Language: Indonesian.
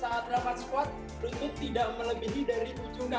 saat dapat squat lutut tidak melebihi dari ujung nafas